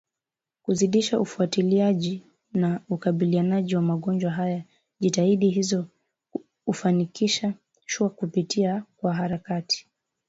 kuzidisha ufuatiliaji na ukabilianaji na magonjwa haya Jitihada hizo hufanikishwa kupitia kwa harakati